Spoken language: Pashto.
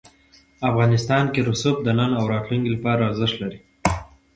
افغانستان کې رسوب د نن او راتلونکي لپاره ارزښت لري.